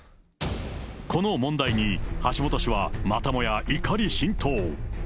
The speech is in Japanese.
この問題に橋下氏はまたもや怒り心頭。